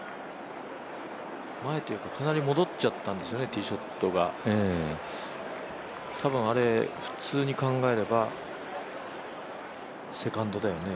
前というか、かなり戻っちゃったんですよね、ティーショットが多分あれは普通に考えれば、セカンドだよね。